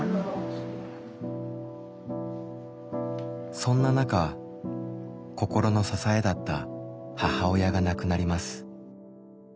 そんな中心の支えだった母親が亡くなります。